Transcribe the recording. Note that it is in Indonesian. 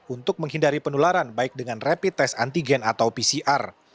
untuk menghindari penularan baik dengan rapid test antigen atau pcr